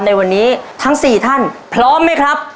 ในวันนี้ทั้ง๔ท่านพร้อมไหมครับ